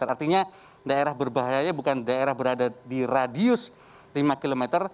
artinya daerah berbahayanya bukan daerah berada di radius lima km